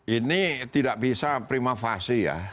ini tidak bisa prima fasi ya